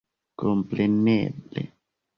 Kompreneble!